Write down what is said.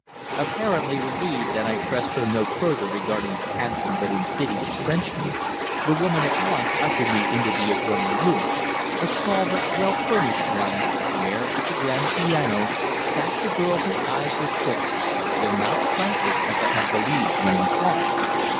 Apparently relieved that I pressed her no further regarding the handsome but insidious Frenchman, the woman at once ushered me into the adjoining room a small but well furnished one where at the grand piano sat the girl whose eyes were fixed, though not sightless as I had believed when in Florence.